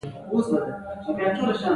تا وینم چې د لیرې څخه راځې